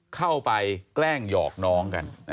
เข้าไปแกล้งหยอกน้องกัน